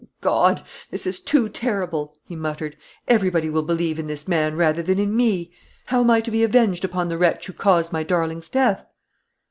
"O God! this is too terrible," he muttered. "Everybody will believe in this man rather than in me. How am I to be avenged upon the wretch who caused my darling's death?"